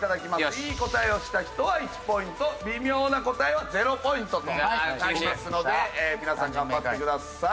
いい答えをした人は１ポイント微妙な答えは０ポイントとなりますので皆さん頑張ってください。